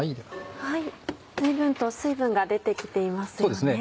随分と水分が出て来ていますよね。